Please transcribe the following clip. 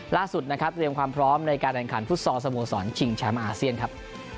ล่าสุดนะครับเตรียมความพร้อมในการแข่งขันฟุตซอลสโมสรชิงแชมป์อาเซียนครับ